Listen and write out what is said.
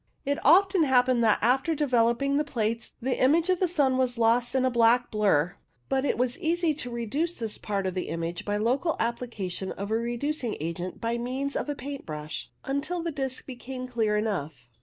It often happened that after developing the plates the image of the sun was lost in a black blur, but it was easy to reduce this part of the image by local application of a reducing agent * by means of a paint brush, until the disc became clear enough.